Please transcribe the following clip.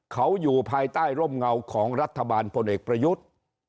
เขาอยู่ภายใต้ร่มเงาของรัฐบาลพลเอกประยุทธ์